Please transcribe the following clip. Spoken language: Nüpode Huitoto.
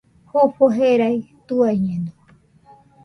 Jofo jerai tuañeno